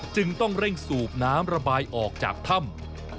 จึงต้องเร่งสูบน้ำระบายออกจากถ้ำ